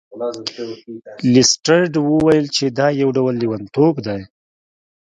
لیسټرډ وویل چې دا یو ډول لیونتوب دی.